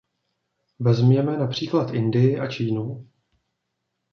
Vezměme například Indii a Čínu.